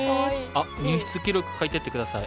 あっ入室記録書いてって下さい。